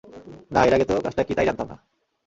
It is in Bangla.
না, এর আগে তো কাজটা কি তাই জানতাম না।